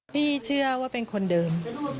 พี่เชื่อว่าเป็นคนเดิม